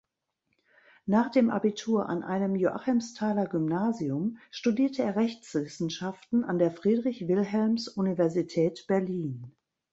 Nach dem Abitur an einem Joachimsthaler Gymnasium, studierte er Rechtswissenschaften an der Friedrich-Wilhelms-Universität Berlin.